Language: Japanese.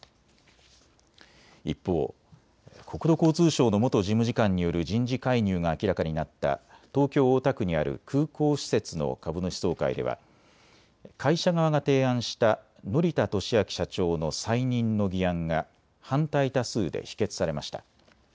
一方、国土交通省の元事務次官による人事介入が明らかになった東京大田区にある空港施設の株主総会では会社側が提案した乘田俊明社長の再任の議案が反対多数で否決されました。